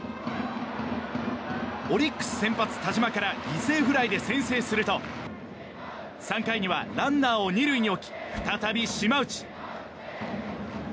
オリックス先発、田嶋から犠牲フライで先制すると３回にはランナーを２塁に置き再び島内。